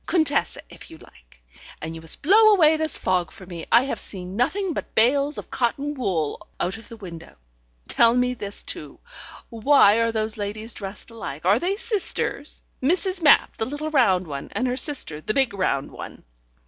Contessa, if you like. And you must blow away this fog for me. I have seen nothing but bales of cotton wool out of the window. Tell me this, too: why are those ladies dressed alike? Are they sisters? Mrs. Mapp, the little round one, and her sister, the big round one?"